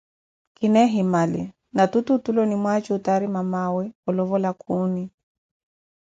Khina ehimali, natutu otule onimwaajutari mamaawe olovola khuuni